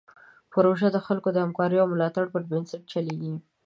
پروژه د خلکو د همکاریو او ملاتړ پر بنسټ چلیږي.